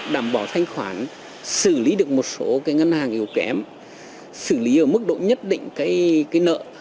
đảm bảo thanh khoản xử lý được một số ngân hàng yếu kém xử lý ở mức độ nhất định cái nợ